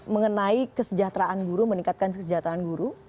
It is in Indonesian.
mengenai kesejahteraan guru meningkatkan kesejahteraan guru